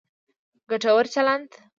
ګټور چلند